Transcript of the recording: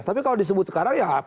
tapi kalau disebut sekarang